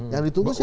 yang ditunggu siapa